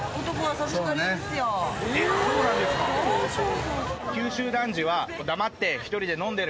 そうそう。